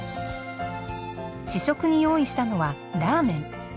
試食に用意したのはラーメン。